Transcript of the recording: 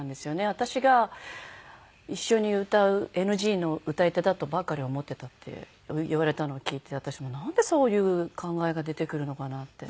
私が一緒に歌うＮＧの歌い手だとばかり思ってたって言われたのを聞いて私なんでそういう考えが出てくるのかなって。